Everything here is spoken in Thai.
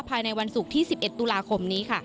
ภายในวันศุกร์ที่๑๑ตุลาคมนี้ค่ะ